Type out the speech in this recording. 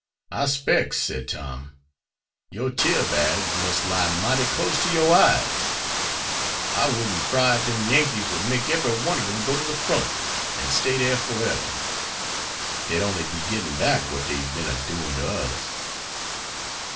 "I specs," said Tom, "your tear bags must lie mighty close to your eyes. I wouldn't cry ef dem Yankees would make ebery one ob dem go to de front, an' stay dere foreber. Dey'd only be gittin' back what dey's been a doin' to us."